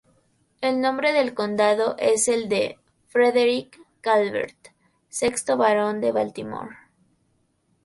El nombre del condado es el de "Frederick Calvert", sexto Barón de Baltimore.